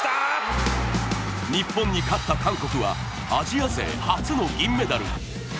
日本に勝った韓国はアジア勢初の銀メダル。